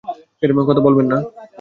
কথা বলবেন না।